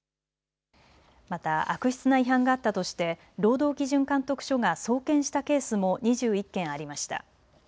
また悪質な違反があったとして労働基準監督署が送検したケースも２１件ありました。